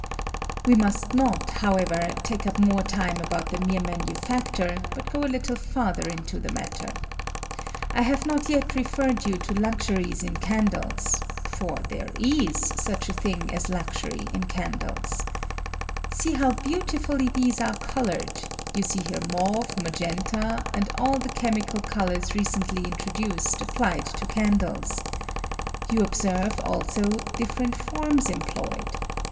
We must not, however, take up more time about the mere manufacture, but go a little farther into the matter. I have not yet refer red you to luxuries in candles (for there ia such a thing as luxury in candles). See how beau tifully these are colored ; you see here mauve, Magenta, and all the chemical colors recently introduced, applied to caiylles. You observe, also, different forms employed.